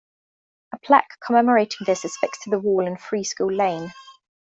A plaque commemorating this is fixed to the wall in Free School Lane.